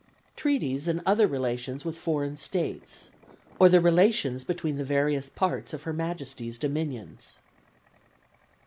Treaties and other relations with foreign States, or the relations between the various parts of Her Majesty's dominions; "(5.)